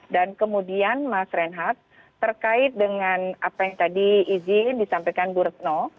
dan kemudian mas renhat terkait dengan apa yang tadi izin disampaikan bu retno